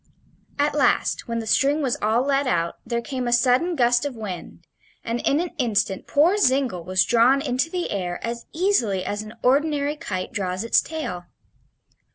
At last, when the string was all let out, there came a sudden gust of wind, and in an instant poor Zingle was drawn into the air as easily as an ordinary kite draws its tail.